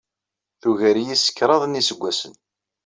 Tugar-iyi s kraḍ n yiseggasen.